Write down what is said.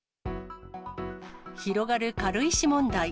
広がる軽石問題。